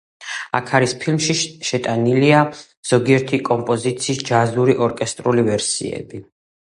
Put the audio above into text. აქ არის ფილმში შეტანილია ზოგიერთი კომპოზიციის ჯაზური, ორკესტრული ვერსიები.